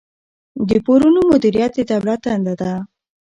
د پورونو مدیریت د دولت دنده ده.